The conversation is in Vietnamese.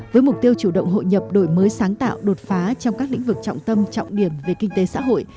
với mục tiêu chủ động hội nhập đổi mới sáng tạo đột phá trong các lĩnh vực trọng tâm trọng điểm về kinh tế xã hội